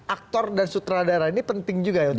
aktor dan sutradara ini penting juga